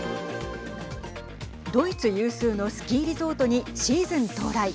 ドイツ有数のスキーリゾートにシーズン到来。